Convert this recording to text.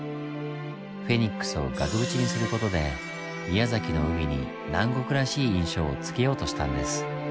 フェニックスを額縁にする事で宮崎の海に南国らしい印象をつけようとしたんです。